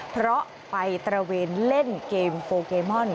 เพราะไปตระเวนเล่นเกมโปเกมอน